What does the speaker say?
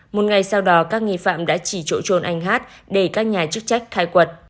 một ngày sau đó các nghi phạm đã chỉ trộn trôn anh hát để các nhà chức trách khai quật